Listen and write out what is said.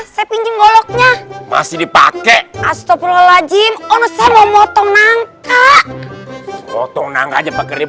saya pinjam goloknya masih dipakai astagfirullahaladzim